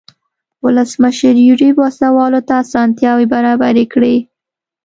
ولسمشر یوریب وسله والو ته اسانتیاوې برابرې کړې.